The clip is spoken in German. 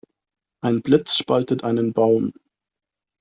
Ein Blitz spaltet einen Baum.